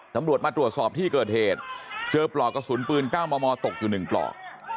ตำรวจมาตรวจสอบที่เกิดเหตุเจอปลอกกระสุนปืน๙มมตกอยู่๑ปลอก